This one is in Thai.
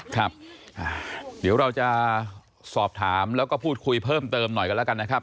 ครับเดี๋ยวเราจะสอบถามแล้วก็พูดคุยเพิ่มเติมหน่อยกันแล้วกันนะครับ